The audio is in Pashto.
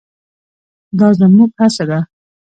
دا زموږ هڅه ده.